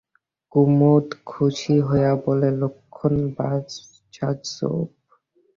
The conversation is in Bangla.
কুমুদ খুশি হইয়া বলে, লক্ষ্মণ সাজব।